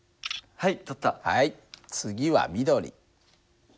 はい次は緑。